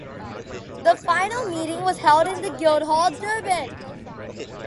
The final meeting was held in The Guildhall, Durban.